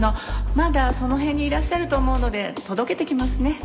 まだその辺にいらっしゃると思うので届けてきますね。